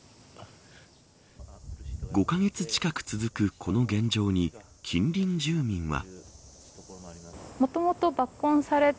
５カ月近く続くこの現状に近隣住民は。